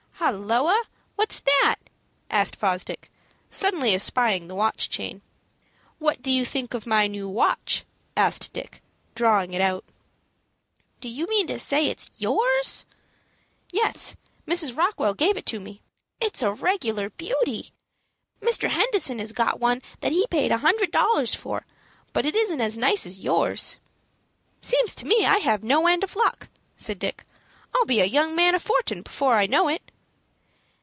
"Halloa, what's that?" asked Fosdick, suddenly espying the watch chain. "What do you think of my new watch?" asked Dick, drawing it out. "Do you mean to say it is yours?" "Yes. Mrs. Rockwell gave it to me." "It's a regular beauty. Mr. Henderson has got one that he paid a hundred dollars for; but it isn't as nice as yours." "Seems to me I have no end of luck," said Dick. "I'll be a young man of fortun' before I know it."